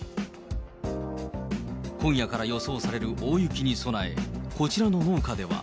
今夜から予想される大雪に備え、こちらの農家では。